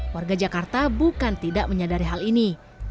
warga jakarta bukan tidak menyadari hal ini